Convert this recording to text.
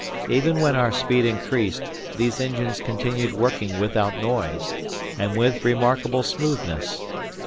Even when our speed increased, these engines continued working without noise, and with remarkable smoothness.